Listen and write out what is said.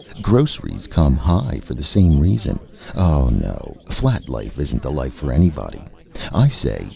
Groceries come high for the same reason. Oh, no! Flat life isn't the life for anybody, I say.